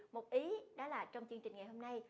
một ý đó là trong chương trình ngày hôm nay